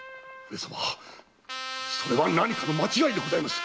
それは何かの間違いでございます